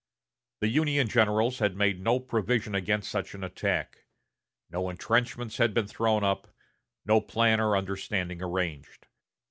The Union generals had made no provision against such an attack. No intrenchments had been thrown up, no plan or understanding arranged.